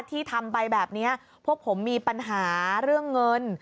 ที่ทำไปแบบนี้พวกผมมีปัญหาเรื่องเงิน